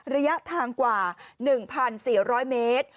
ระยะทางกว่า๑๔๐๐เมตร